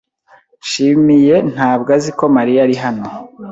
Nshimiye ntabwo azi ko Mariya ari hano.